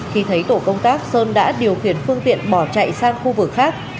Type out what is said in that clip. khi thấy tổ công tác sơn đã điều khiển phương tiện bỏ chạy sang khu vực khác